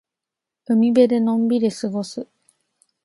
海辺でのんびり過ごす。